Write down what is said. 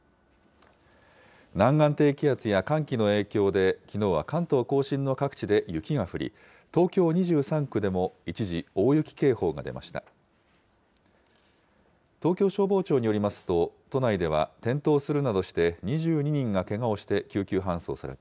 南岸低気圧や寒気の影響で、きのうは関東甲信の各地で雪が降り、東京２３区でも一時大雪警報が出ました。